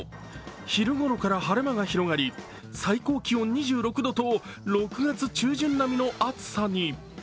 昼ごろから晴れ間が広がり、最高気温２６度と６月中旬並みの暑さに。